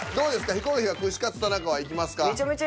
ヒコロヒーは「串カツ田中」は行きますか？